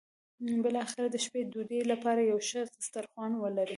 بالاخره د شپې ډوډۍ لپاره یو ښه سترخوان ولري.